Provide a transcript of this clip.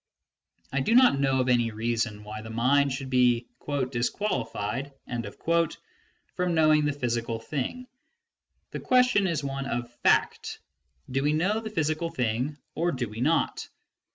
I do not know of any reason why the mind should be "disqualified " from knowing the physical thing ; the question is one of fact, do we know the physical thing or do we not